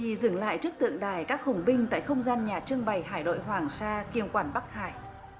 khi dừng lại trước tượng đài các hùng binh tại không gian nhà trưng bày hải đội hoàng sa kiềm quản bắc hải